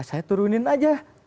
saya turunin saja